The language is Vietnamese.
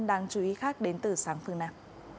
đáng chú ý khác đến từ sáng phương nam